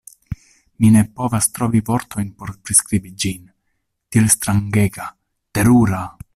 Mi ne povas trovi vortojn por priskribi ĝin, tiel strangega, terura!